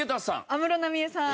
安室奈美恵さん。